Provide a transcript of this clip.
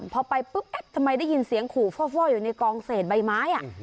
พอไปปุ๊บทำไมได้ยินเสียงขู่ฟ่ออยู่ในกองเศษใบไม้